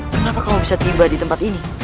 kenapa kamu bisa tiba di tempat ini